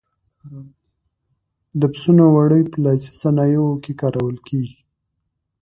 د پسونو وړۍ په لاسي صنایعو کې کارول کېږي.